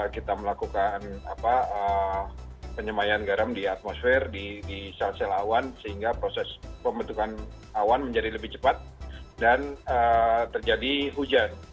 kita melakukan penyemayan garam di atmosfer di sel sel awan sehingga proses pembentukan awan menjadi lebih cepat dan terjadi hujan